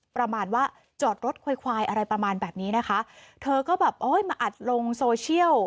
ประมาณว่าจอดรถควายควายอะไรประมาณแบบนี้นะคะเธอก็แบบโอ้ยมาอัดลงโซเชียล